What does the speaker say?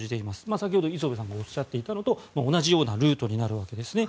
先程、磯部さんがおっしゃっていたのと同じようなルートになるわけですね。